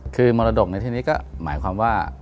คือมรดกในที่นี้ก็หมายความว่า